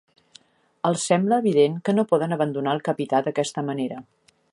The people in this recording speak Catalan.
Els sembla evident que no poden abandonar el capità d'aquesta manera.